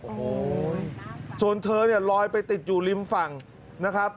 โอ้โหส่วนเธอเนี่ยลอยไปติดอยู่ริมฝั่งนะครับ